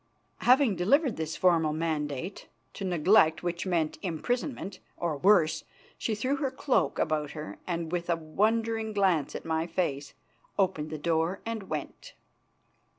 Having delivered this formal mandate, to neglect which meant imprisonment, or worse, she threw her cloak about her, and with a wondering glance at my face, opened the door and went.